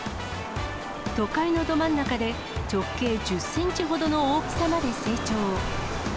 都会のど真ん中で、直径１０センチほどの大きさまで成長。